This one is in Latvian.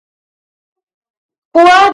Nepazīstami viesi mums nudien nav vajadzīgi!